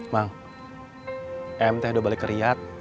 mang emt udah balik ke riyad